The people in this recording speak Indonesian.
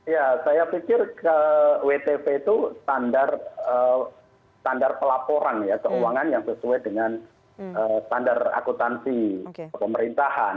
ya saya pikir wtp itu standar pelaporan ya keuangan yang sesuai dengan standar akutansi pemerintahan